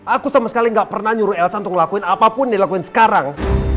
aku sama sekali gak pernah nyuruh elsa untuk ngelakuin apapun yang dilakuin sekarang